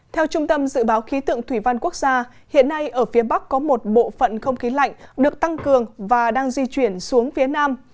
theo trung tâm dự báo khí tượng thủy văn quốc gia hiện nay ở phía bắc có một bộ phận không khí lạnh được tăng cường và đang di chuyển xuống phía nam